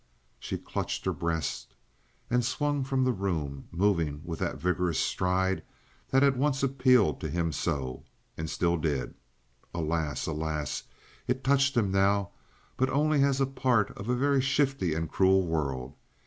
She clutched her breast and swung from the room, moving with that vigorous stride that had once appealed to him so, and still did. Alas, alas! it touched him now, but only as a part of a very shifty and cruel world.